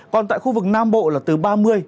còn tại khu vực nam bộ là từ ba mươi ba mươi ba độ